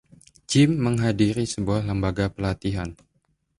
Jim menghadiri sebuah lembaga pelatihan.